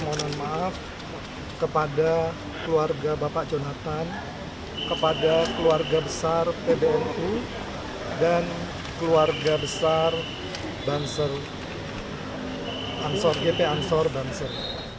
mohon maaf kepada keluarga bapak jonathan kepada keluarga besar pbnu dan keluarga besar banser gp ansor banser